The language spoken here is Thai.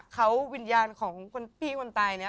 เขาวิญญาณของคนพี่คนตายเนี่ย